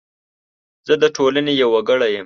زه د ټولنې یو وګړی یم .